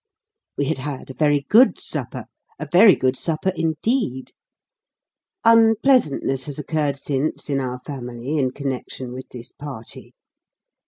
We had had a very good supper a very good supper, indeed. Unpleasantness has occurred since, in our family, in connection with this party.